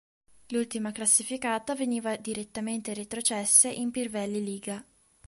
L'ultima classificata veniva direttamente retrocesse in Pirveli Liga.